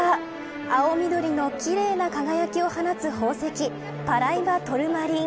青緑の奇麗な輝きを放つ宝石パライバトルマリン。